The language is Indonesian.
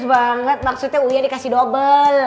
banget maksudnya dikasih double